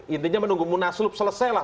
intinya menunggu munaslup selesai lah